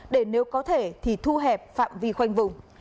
để nếu có thể thì thu hẹp phạm vi khoanh vùng